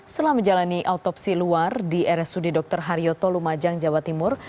setelah menjalani autopsi luar di rsud dr haryoto lumajang jawa timur